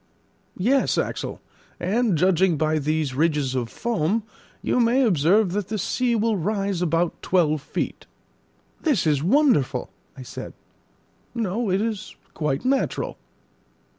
"Yes, Axel; and judging by these ridges of foam, you may observe that the sea will rise about twelve feet." "This is wonderful," I said. "No; it is quite natural."